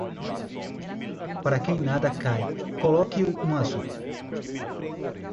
Para quem nada cai, coloque um azul.